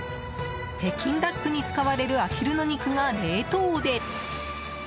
北京ダックに使われるアヒルの肉が冷凍で！